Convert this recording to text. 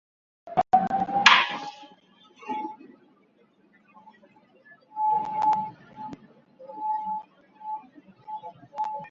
Yondosh kasalligi bo‘lgan bemor koronavirusdan uy sharoitida davolanishi mumkinmi?